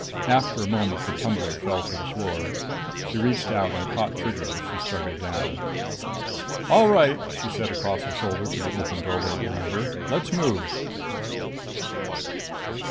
After a moment the tumbler fell to the floor. She reached out and caught Trigger as she started down. "All right," she said across her shoulder to the open doorway behind her. "Let's move!"